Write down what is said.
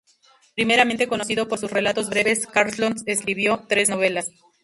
Primeramente conocido por sus relatos breves, Carlson escribió tres novelas.